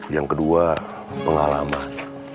yang kedua pengalaman